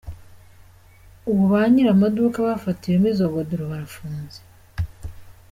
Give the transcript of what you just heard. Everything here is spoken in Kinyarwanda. Ubu ba nyir’amaduka yafatiwemo izo godoro barafunze.